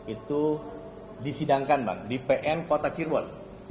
itu disidangkan bang di pn kota cirebon